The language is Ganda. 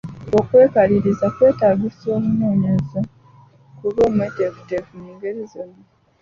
Okwekaliriza kwetaagisa omunoonyereza okuba omweteefuteefu obulungi mu ngeri zonna.